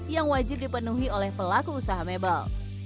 yang wajib dipenuhi oleh pelaku usaha mebel